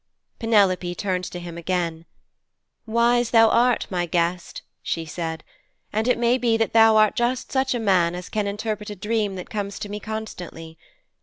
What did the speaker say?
Penelope turned to him again, 'Wise thou art, my guest,' she said, 'and it may be that thou art just such a man as can interpret a dream that comes to me constantly.